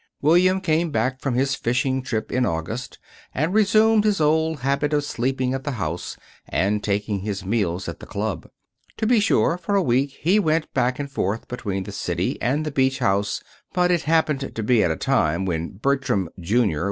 William came back from his fishing trip in August, and resumed his old habit of sleeping at the house and taking his meals at the club. To be sure, for a week he went back and forth between the city and the beach house; but it happened to be a time when Bertram, Jr.